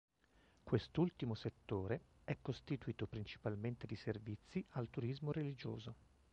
Quest'ultimo settore è costituito principalmente di servizi al turismo religioso.